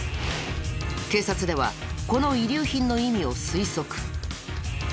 警察ではこの遺留品の意味を推測。